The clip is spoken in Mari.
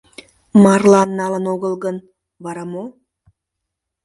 Марлан налын огыл гын, вара мо?